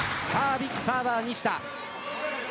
ビッグサーバー西田。